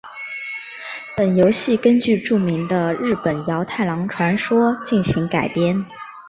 本游戏根据著名的日本桃太郎传说进行改编。